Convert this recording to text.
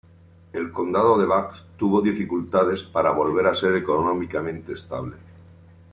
El condado de Butts tuvo dificultades para volver a ser económicamente estable.